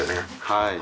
はい。